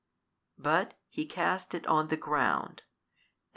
But He cast it on the ground, i.